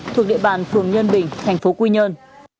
thuộc địa bàn phường nhân bình thành phố quy nhơn